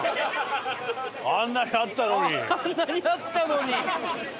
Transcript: あんなにあったのに。